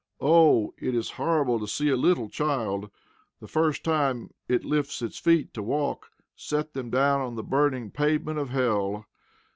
Oh! it is horrible to see a little child, the first time it lifts its feet to walk, set them down on the burning pavement of hell!